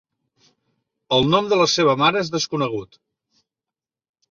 El nom de la seva mare és desconegut.